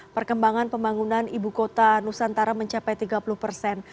perkembangan pembangunan ibu kota nusantara mencapai tiga puluh persen